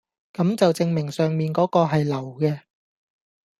咁就證明上面嗰個係流嘅